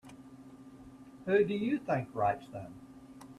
Who do you think writes them?